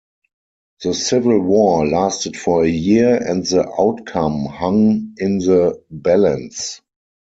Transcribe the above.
The civil war lasted for a year and the outcome hung in the balance.